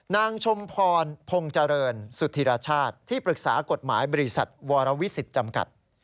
นางชมพรพงษ์เจริญสุธิรชาติที่ปรึกษากฎหมายบริษัทวรวิสิตจำกัด